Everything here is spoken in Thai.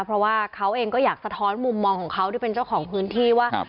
เพราะว่าเขาเองก็อยากสะท้อนมุมมองของเขาที่เป็นเจ้าของพื้นที่ว่า